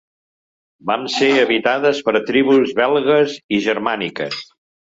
Van ser habitades per tribus belgues i germàniques.